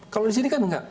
kalau di sini kan nggak